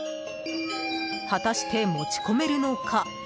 果てして持ち込めるのか。